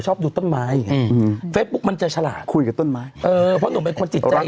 ชอบดูต้นไม้อืมปุ๊บมันจะฉลาดคุยกับต้นไม้เออเพราะหนูเป็นคนจิตใจ